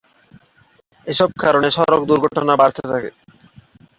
এসব কারণে সড়ক দুর্ঘটনা বাড়তে থাকে।